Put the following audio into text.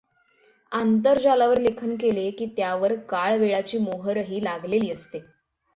आंतरजालावर लेखन केले की त्यावर काळ वेळाची मोहोरही लागलेली असते.